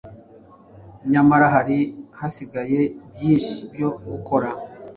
nyamara hari hasigaye byinshi byo gukora